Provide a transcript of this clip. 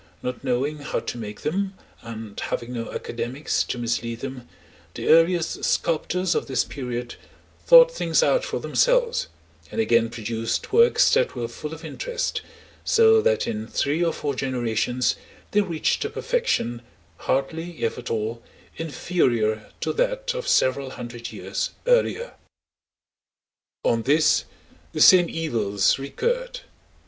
Not knowing how to make them, and having no academics to mislead them, the earliest sculptors of this period thought things out for themselves, and again produced works that were full of interest, so that in three or four generations they reached a perfection hardly if at all inferior to that of several hundred years earlier. On this the same evils recurred.